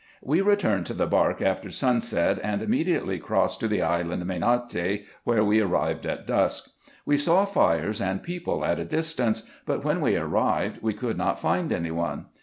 We returned to the bark after sunset, and immediately crossed to the island Mainarty, where we arrived at dusk. We saw fires and people at a distance; but when we arrived we could not find any one.